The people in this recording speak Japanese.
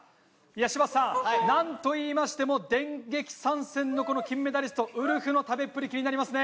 柴田さんなんと言いましても電撃参戦の金メダリストウルフの食べっぷり気になりますね。